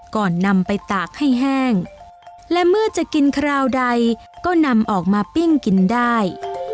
ก่อนนำไปตากให้แห้งและเมื่อจะกินคราวใดก็นำออกมาปิ้งกินได้